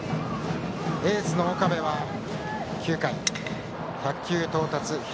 エースの岡部は９回１００球到達。